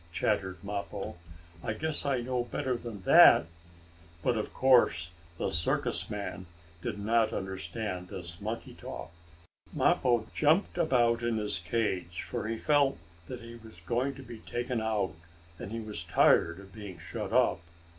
chattered Mappo. "I guess I know better than that!" But of course the circus man did not understand this monkey talk. Mappo jumped about in his cage, for he felt that he was going to be taken out, and he was tired of being shut up.